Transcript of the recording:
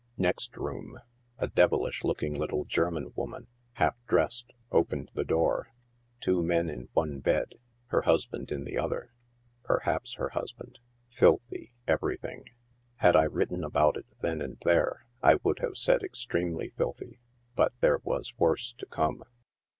Next room ; a devilish looking little German woman, half dressed, opened the door. Two men in one bed 5 her husband in the other —perhaps htr husband ; filthy, every thing. Had I written about it then and there, I would have said extremely filthy ; but there was worse to come.